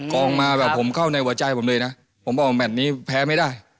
กองมาแบบผมเข้าในหัวใจผมเลยนะผมบอกแมทนี้แพ้ไม่ได้